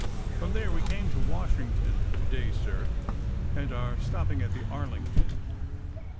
From there we came to Washington to day, sir, and are stopping at the Arlington."